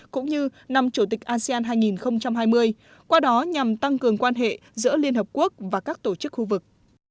cũng như năm chủ tịch asean hai nghìn hai mươi qua đó nhằm tăng cường quan hệ giữa liên hợp quốc và các tổ chức khu vực